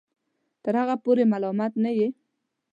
تر هغه پورې ملامت نه یې